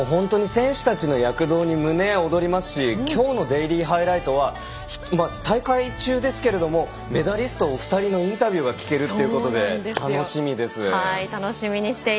選手たちの躍動に胸が躍りますしきょうのデイリーハイライトはまず、大会中ですけれどもメダリスト２人のインタビューが聞けるということで楽しみです。